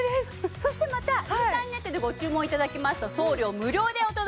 そしてまたインターネットでご注文頂きますと送料無料でお届け致します。